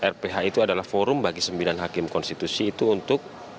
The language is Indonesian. rph itu adalah forum bagi sembilan hakim konstitusi itu untuk